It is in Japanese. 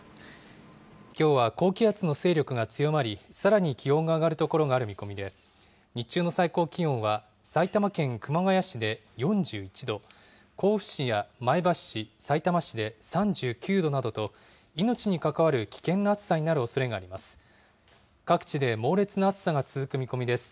きょうは高気圧の勢力が強まり、さらに気温が上がる所がある見込みで、日中の最高気温は埼玉県熊谷市で４１度、甲府市や前橋市、さいたま市で３９度などと、命に関わる危険な暑さになるおそれがあります。